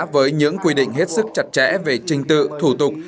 với những quy định hết sức chặt chẽ về trình tự thủ tục